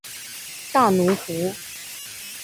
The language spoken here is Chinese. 大奴湖。